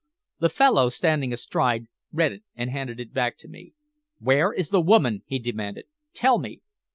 The fellow, standing astride, read it, and handed it back to me. "Where is the woman?" he demanded. "Tell me."